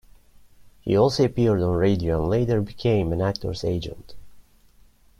He also appeared on radio and later became an actors agent.